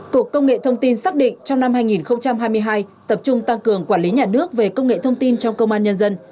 cục công nghệ thông tin xác định trong năm hai nghìn hai mươi hai tập trung tăng cường quản lý nhà nước về công nghệ thông tin trong công an nhân dân